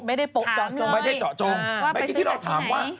ไม่ได้ปุ๊บเจาะจงว่าไปซื้อจากที่ไหน